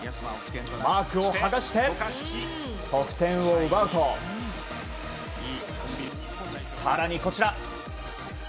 マークを剥がして得点を奪うと更に、こちら。